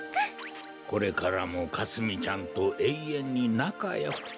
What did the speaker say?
これからもかすみちゃんとえいえんになかよくって。